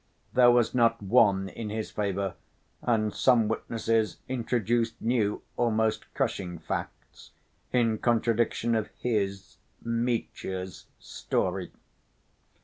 There was not one in his favor, and some witnesses introduced new, almost crushing facts, in contradiction of his, Mitya's, story.